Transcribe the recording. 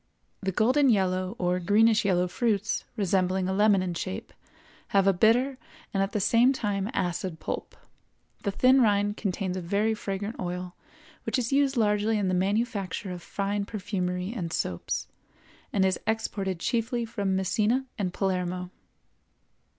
The golden yellow or greenish yellow fruits, resembling a lemon in shape, have a bitter and at the same time acid pulp; the thin rind contains a very fragrant oil which is used largely in the manufacture of fine perfumery and soaps, and is exported chiefly from Messina and Palermo.